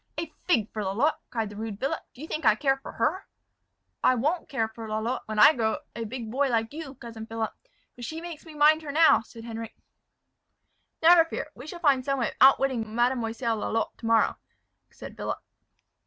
"A fig for Lalotte!" cried the rude Philip; "do you think I care for her?" "I won't care for Lalotte when I grow a great big boy like you, cousin Philip; but she makes me mind her now," said Henric. "Never fear; we will find some way of outwitting Mademoiselle Lalotte to morrow," said Philip.